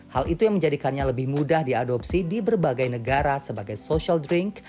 hal itu yang menjadikannya lebih mudah diadopsi di berbagai negara sebagai social drink